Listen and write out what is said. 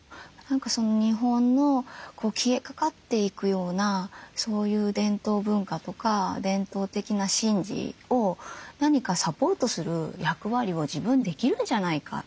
日本の消えかかっていくようなそういう伝統文化とか伝統的な神事を何かサポートする役割を自分できるんじゃないかって。